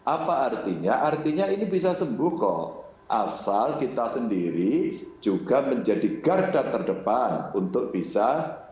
apa artinya artinya ini bisa sembuh kok asal kita sendiri juga menjadi garda terdepan untuk bisa